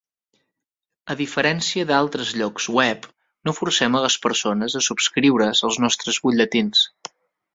A diferència d"altres llocs webs, no forcem a les persones a subscriure"s als nostres butlletins.